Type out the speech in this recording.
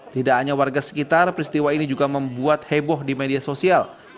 tidak hanya warga sekitar peristiwa ini juga membuat heboh di media sosial